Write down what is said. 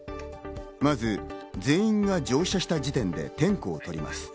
まず全員が乗車した時点で、点呼を取ります。